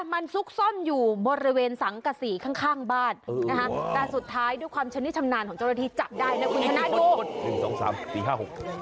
มันซุกซ่อนอยู่บริเวณสังกษีข้างข้างบ้านนะคะแต่สุดท้ายด้วยความชนิดชำนาญของเจ้าหน้าที่จับได้นะคุณชนะดู